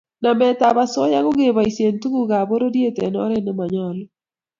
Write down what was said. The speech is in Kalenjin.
Nametab osoya kokeboisie tugukab pororiet eng oret ne monyolu